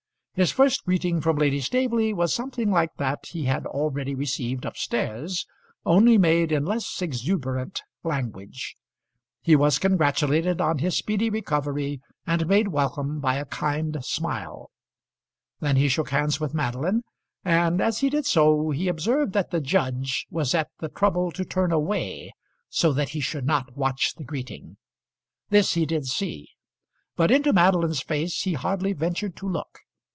His first greeting from Lady Staveley was something like that he had already received up stairs, only made in less exuberant language. He was congratulated on his speedy recovery and made welcome by a kind smile. Then he shook hands with Madeline, and as he did so he observed that the judge was at the trouble to turn away, so that he should not watch the greeting. This he did see, but into Madeline's face he hardly ventured to look.